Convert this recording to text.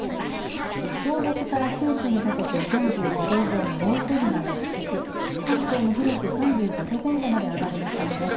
東北から九州にかけて３５℃以上の猛暑日が続出、関東も広く３５℃前後まで上がる見込みです。